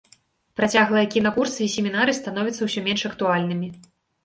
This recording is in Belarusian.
Працяглыя кінакурсы і семінары становяцца ўсё менш актуальнымі.